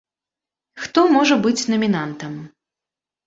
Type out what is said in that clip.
Хто можа быць намінантам?